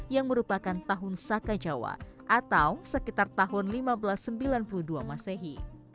yang merupakan tahun saka jawa atau sekitar tahun seribu lima ratus sembilan puluh dua masehi